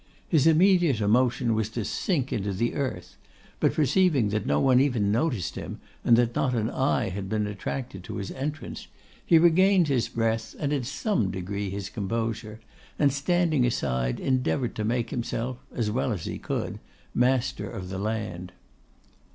His immediate emotion was to sink into the earth; but perceiving that no one even noticed him, and that not an eye had been attracted to his entrance, he regained his breath and in some degree his composure, and standing aside, endeavoured to make himself, as well as he could, master of the land.